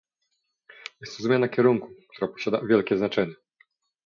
Jest to zmiana kierunku, która posiada wielkie znaczenie